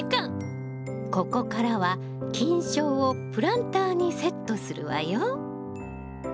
ここからは菌床をプランターにセットするわよ。